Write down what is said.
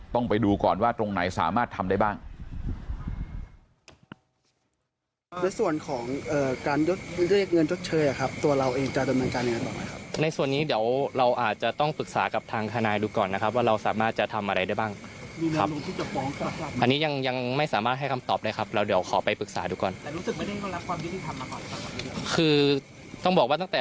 ต้องไปดูก่อนว่าตรงไหนสามารถทำได้บ้าง